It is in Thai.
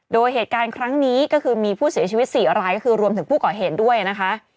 โดยเหตุการณ์ครั้งนี้ก็คือมีผู้เสียชีวิต๔รายก็คือรวมถึงผู้ก่อเหตุด้วยนะคะ